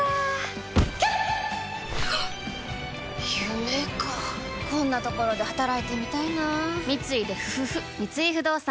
夢かこんなところで働いてみたいな三井不動産